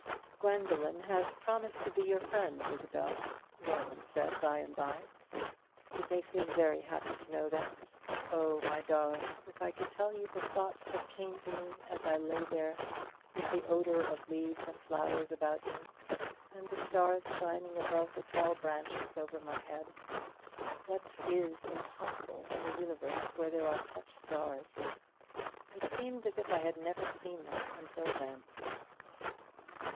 "Gwendoline has promised to be your friend, Isabel," Roland said by and by; "it makes me very happy to know that. Oh, my darling, if I could tell you the thoughts that came to me as I lay there, with the odour of leaves and flowers about me, and the stars shining above the tall branches over my head. What is impossible in a universe where there are such stars? It seemed as if I had never seen them until then."